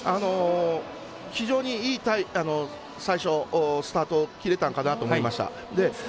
非常にいいスタートを切れたのかなと思いました。